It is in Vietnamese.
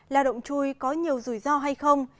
lao động chui có nhiều rủi ro hay không